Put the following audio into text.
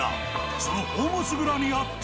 その宝物蔵にあった。